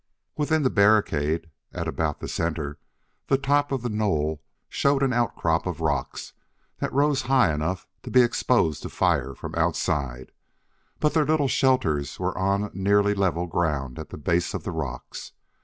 Within the barricade, at about the center, the top of the knoll showed an outcrop of rocks that rose high enough to be exposed to fire from outside, but their little shelters were on nearly level ground at the base of the rocks.